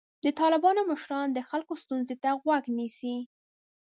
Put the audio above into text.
د طالبانو مشران د خلکو ستونزو ته غوږ نیسي.